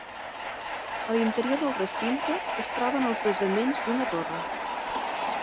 A l'interior del recinte, es troben els basaments d'una torre.